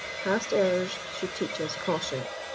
PAST ERRORS SHOULD TEACH US CAUTION.